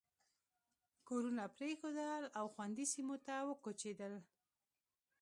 کورونه پرېښودل او خوندي سیمو ته وکوچېدل.